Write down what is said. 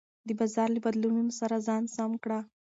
د بازار له بدلونونو سره ځان سم کړه.